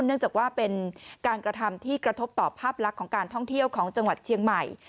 เนื่องจากว่าเป็นการกระทำที่กระทบต่อภาพลักษณ์ของการท่องเที่ยวของจังหวัดเชียงใหม่